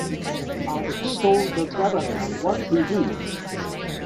And who told the Governor what to do?